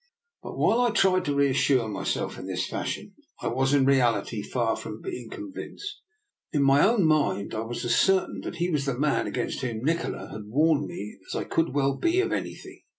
But while I tried to reassure myself in this fashion I was in reality far from being convinced. In my own mind I was as cer tain that he was the man against whom Nikola w^4^a lOO DR NIKOLA'S EXPERIMENT. had warned me as I could well be of anything.